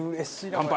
乾杯！